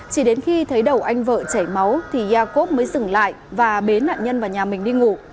chỉ đến khi thấy đầu anh vợ chảy máu thì yakov mới dừng lại và bế nạn nhân vào nhà mình đi ngủ